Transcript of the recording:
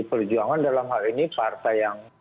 perjuangan dalam hal ini partai yang